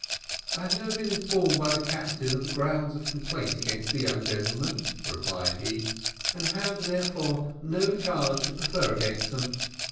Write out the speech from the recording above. "I have never been informed by the captain of the grounds of complaint against the young gentlemen," replied he, "and have therefore no change to prefer against them.